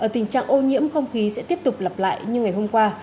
tình trạng ô nhiễm không khí sẽ tiếp tục lặp lại như ngày hôm qua